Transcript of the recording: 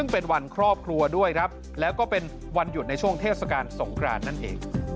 โปรดติดตามต่อไป